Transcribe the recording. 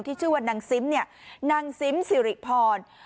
ที่ชื่อว่านางซิมนางซิมสิริพร